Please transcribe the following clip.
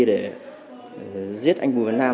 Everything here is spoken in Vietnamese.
để giết anh bùi văn nam